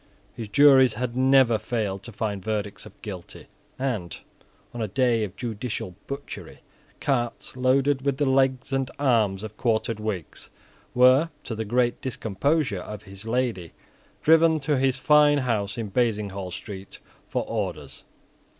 His juries had never failed to find verdicts of Guilty; and, on a day of judicial butchery, carts, loaded with the legs and arms of quartered Whigs, were, to the great discomposure of his lady, driven to his fine house in Basinghall Street for orders.